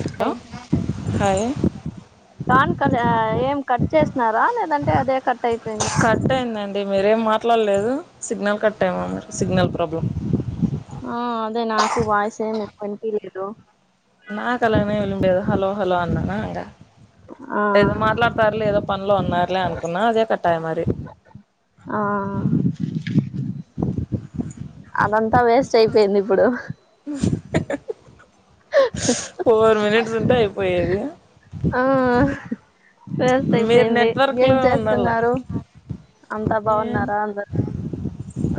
hello హా hi కాన్ క ల ఏం కట్ చేసినారా లేదంటే అదే కట్ అయిపోయిందా అంటే మీరేం మాట్లాడలేదు సిగ్నల్ కట్టయమ సిగ్నల్ ప్రాబ్లం ఆ అదే నాకు వాయిస్ విన్పియలేదు ఏమి ఎ ఎనినికి లేదు నక్ అలానే విళబేద హలో హలో అన్నానా అంగ ఆ ఏదో మాట్లాడతారులే ఏదో పనులో ఉన్నారులే అనుకున్నా అదే కట్టాయ మరి ఆహ అదంతా వేస్ట్ అయిపోయింది ఇప్పుడు హ ఉంటే అయిపోయేది ఆహ వేస్ట్ మీరు అయిపోయింది ఏం నెట్వర్క్లో ఉండాల చేస్తున్నారు అంతా బాగున్నారా అందరు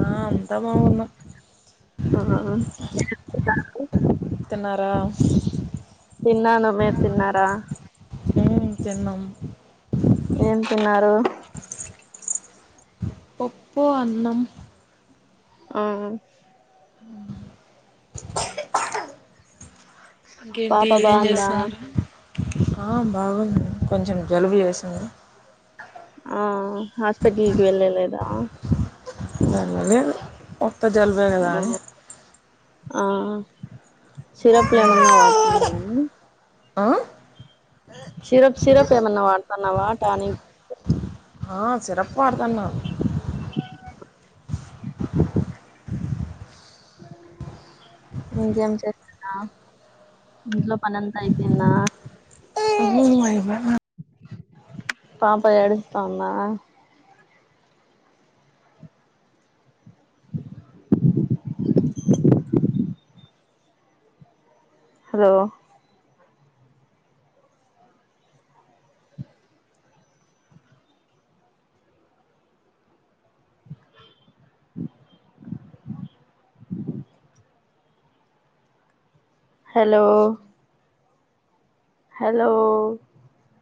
ఆ అంతామవున్న ఆ ఆబ తినారా తిన్నాను మీరు తిన్నారా మ్మ్ తిన్నాం ఏం తి న్నారు ఒప్పు అన్నం ఆఆ క్కస్ ఇంకేంటి పాప ఏం బాగుందా చేస్తున్నారుహా హా బాగుంది కొంచెం జలుబు చేసింది ఆ ఆ హాస్పిటల్కి వెళ్ళలేదా దానిళ్ీ ఉత్త త్త జలుబే కదా అని ఆ ఆ సిరప్లు ఏమన్నా వాడుతున్నా ఆ సిరప్ సిరప్ ఏ మన్నా వాడతాన్నావా టానిక్ ఆ సిరప్ వాడతాన్న స్టు అ ఇంకేం చేస్తున్నా ఇంట్లో పని అంతా అయిపోయిందా బైపడ్న పాప ఏడుస్తాందా హలో [unintelligible] హలో హలో